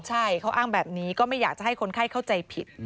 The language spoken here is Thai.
ใช่เขาอ้างแบบนี้ก็ไม่อยากจะให้คนไข้เข้าใจผิด